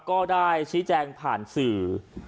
ก็ได้ชี้แจงผ่านสื่อ